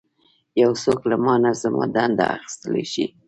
یو څوک له مانه زما دنده اخیستلی شي.